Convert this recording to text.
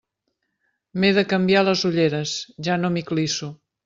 M'he de canviar les ulleres, ja no m'hi clisso.